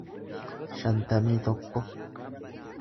shantamii tokko